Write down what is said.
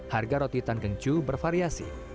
harga roti tan keng choo bervariasi